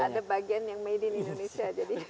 ada bagian yang made in indonesia